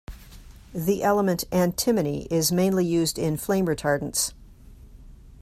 The element antimony is mainly used in flame retardants.